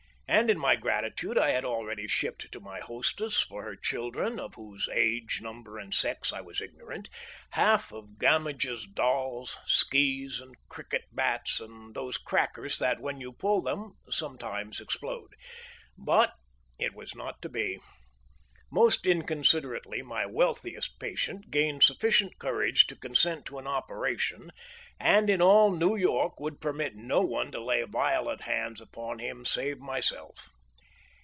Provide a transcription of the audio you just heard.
And in my gratitude I had already shipped to my hostess, for her children, of whose age, number, and sex I was ignorant, half of Gamage's dolls, skees, and cricket bats, and those crackers that, when you pull them, sometimes explode. But it was not to be. Most inconsiderately my wealthiest patient gained sufficient courage to consent to an operation, and in all New York would permit no one to lay violent hands upon him save myself.